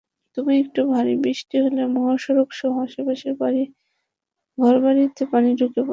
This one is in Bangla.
তবু একটু ভারী বৃষ্টি হলে সড়কসহ আশপাশের ঘরবাড়িতে পানি ঢুকে পড়ে।